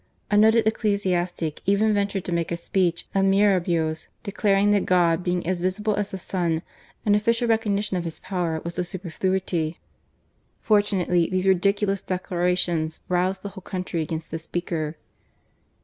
A noted ecclesiastic even ventured to make a speech of Mirabeau's, declaring that God being as visible as the sun, an official recognition of His Power was a superfluity. Fortunately these ridiculous declarations roused the whole country against the speaker.